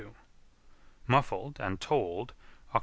Muffled and tolled Oct.